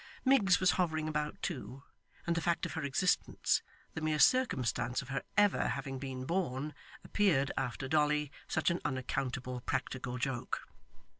Miggs was hovering about too; and the fact of her existence, the mere circumstance of her ever having been born, appeared, after Dolly, such an unaccountable practical joke.